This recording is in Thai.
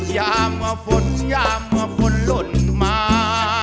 อย่ามาฝนอย่ามาฝนหล่นมา